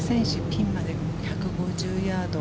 ピンまで１５０ヤード。